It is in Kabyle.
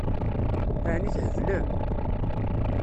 Ɛni theblem?